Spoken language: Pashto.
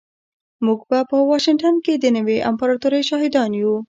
موږ به په واشنګټن کې د نوې امپراتورۍ شاهدان یو